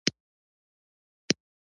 په افغانستان کې د تنوع تاریخ اوږد دی.